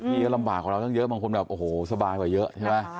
ที่ก็ลำบากกว่าเราตั้งเยอะบางคนแบบโอ้โหสบายกว่าเยอะใช่ไหม